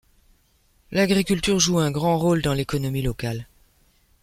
L'agriculture joue un grand rôle dans l'économie locale.